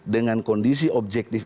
dengan kondisi objektif